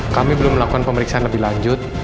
kami belum melakukan pemeriksaan lebih lanjut